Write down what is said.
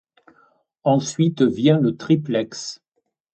Ensuite vient le Triplex.